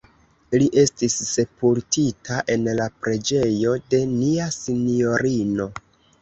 Li estis sepultita en la Preĝejo de Nia Sinjorino.